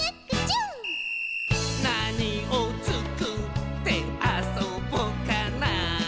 「なにをつくってあそぼかな」